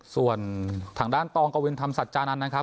ส่วนทางด้านตองกวินธรรมสัจจานันทร์นะครับ